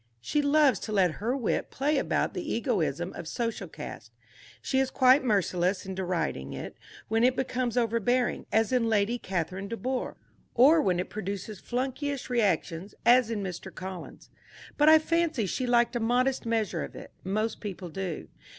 She loves to let her wit play about the egoism of social caste. She is quite merciless in deriding, it when it becomes overbearing, as in Lady Catherine de Bourgh, or when it produces flunkeyish reactions, as in Mr. Collins. But I fancy she liked a modest measure of it. Most people do.